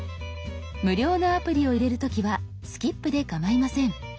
無料のアプリを入れる時は「スキップ」でかまいません。